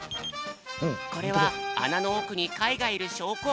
これはあなのおくにかいがいるしょうこ。